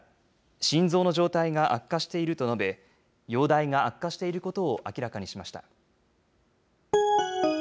心臓の状態が悪化していると述べ、容体が悪化していることを明らかにしました。